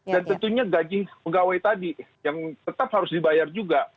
dan tentunya gaji pegawai tadi yang tetap harus dibayar juga